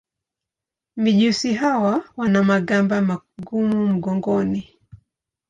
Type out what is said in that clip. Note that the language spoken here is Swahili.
Mijusi hawa wana magamba magumu mgongoni.